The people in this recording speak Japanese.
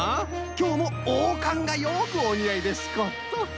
きょうもおうかんがよくおにあいですこと。